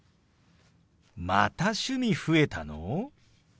また趣味増えたの！？